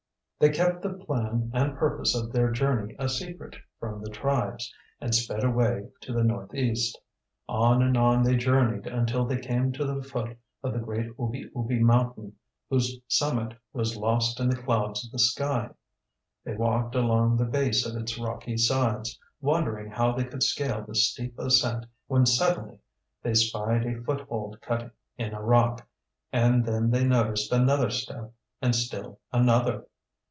They kept the plan and purpose of their journey a secret from the tribes, and sped away to the northeast. On and on they journeyed until they came to the foot of the great Oobi Oobi mountain, whose summit was lost in the clouds of the sky. They walked along the base of its rocky sides, wondering how they could scale the steep ascent when suddenly they spied a foothold cut in a rock, and then they noticed another step and still another.